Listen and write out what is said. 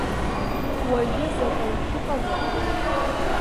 Уажәы заҟаҩы шәыҟада?